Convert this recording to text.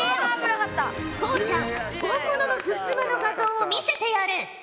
こうちゃん本物のふすまの画像を見せてやれ！